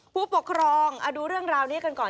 ผู้ปกครองดูเรื่องราวนี้กันก่อน